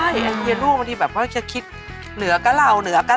ใช่ไอเดียลูกบางทีแบบค่อยคิดเหนือกับเรา